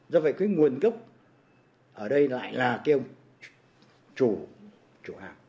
do vậy cái nguồn gốc ở đây lại là kêu chủ chủ hàng